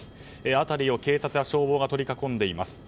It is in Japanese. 辺りを警察や消防が取り囲んでいます。